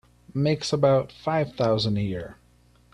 Makes about five thousand a year.